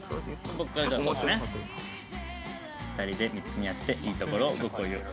２人で見つめ合っていいところを５個言う。